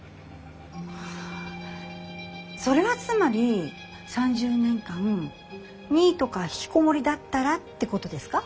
それはつまり３０年間ニートか引きこもりだったらってことですか？